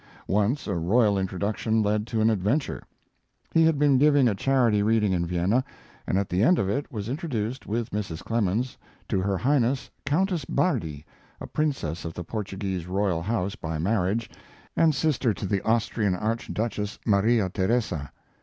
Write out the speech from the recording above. Once a royal introduction led to an adventure. He had been giving a charity reading in Vienna, and at the end of it was introduced, with Mrs. Clemens, to her Highness, Countess Bardi, a princess of the Portuguese royal house by marriage and sister to the Austrian Archduchess Maria Theresa.